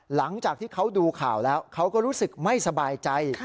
หลังจากที่เขาดูข่าวแล้วเขาก็รู้สึกไม่สบายใจ